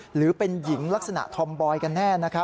หรือเป็นหญิงลักษณะธอมบอยกันแน่